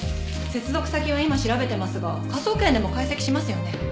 接続先は今調べてますが科捜研でも解析しますよね？